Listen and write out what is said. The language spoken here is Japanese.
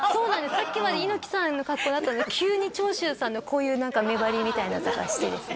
さっきまで猪木さんの格好だったのに急に長州さんのこういう何か目張りみたいなのとかしてですね